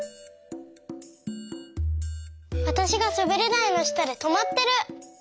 わたしがすべりだいのしたでとまってる！